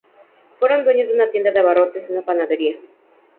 Fueron dueños de una tienda de abarrotes y una panadería.